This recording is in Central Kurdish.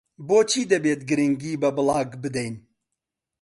بۆچی دەبێت گرنگی بە بڵاگ بدەین؟